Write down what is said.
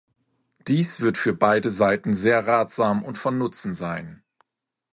Dies wird für beide Seiten sehr ratsam und von Nutzen sein.